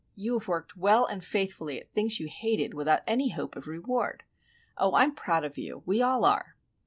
You have worked well and faithfully at things you hated, without any hope of reward. Oh, I'm proud of you,—we all are!"